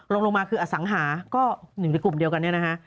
ลงมาคืออสังหาก็หนึ่งในกลุ่มเดียวกันเนี่ยนะฮะ